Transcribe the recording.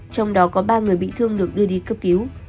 trong đó có ba người bị thương được đưa đi cấp cứu